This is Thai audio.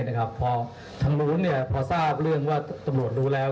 พอทางนู้นพอทราบเรื่องว่าตำรวจรู้แล้ว